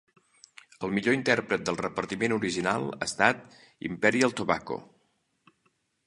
El millor intèrpret del repartiment original ha estat Imperial Tobacco.